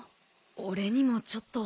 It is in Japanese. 俺にもちょっと。